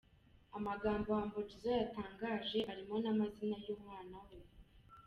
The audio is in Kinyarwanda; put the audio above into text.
Amagambo Humble Jizzo yatangaje arimo n'amazina y'umwana we.